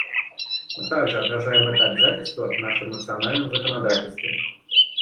Мы также отражаем это обязательство в нашем национальном законодательстве.